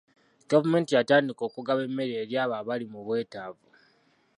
Gavumenti yatandika okugaba emmere eri abo abaali mu bwetaavu.